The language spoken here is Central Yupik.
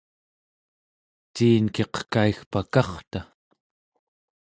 ciin-kiq kaigpakarta